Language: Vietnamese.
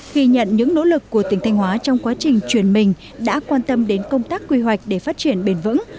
khi nhận những nỗ lực của tỉnh thanh hóa trong quá trình chuyển mình đã quan tâm đến công tác quy hoạch để phát triển bền vững